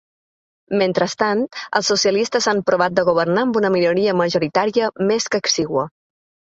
Mentrestant, els socialistes han provat de governar amb una minoria majoritària més que exigua.